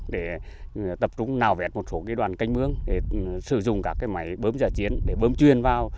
để tập trung nào vét một số đoàn canh mương để sử dụng các máy bơm giả chiến để bơm chuyên vào